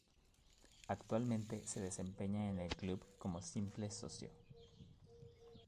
Actualmente se desempeña en el Club como simple socio.